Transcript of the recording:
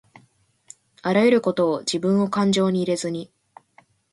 あらゆることをじぶんをかんじょうに入れずに